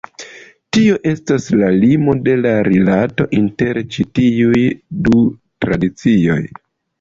Tio estas la limo de la rilato inter ĉi tiuj du tradicioj.